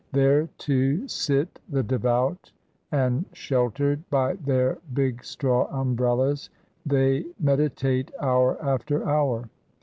There, too, sit the devout, and, sheltered by their big straw umbrellas, they meditate hour after hour.